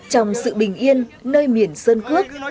trong sự bình yên nơi miển sơn cước